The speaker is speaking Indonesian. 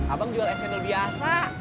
abang jual es cendol biasa